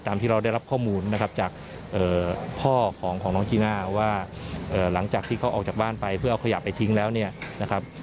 ที่เราได้รับข้อมูลนะครับจากพ่อของน้องจีน่าว่าหลังจากที่เขาออกจากบ้านไปเพื่อเอาขยะไปทิ้งแล้วเนี่ยนะครับ